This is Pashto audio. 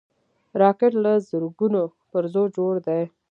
راکټ له زرګونو پرزو جوړ دی